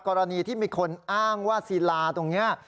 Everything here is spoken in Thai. กรณีที่มีคนอ้างว่าศิลาตรงนี้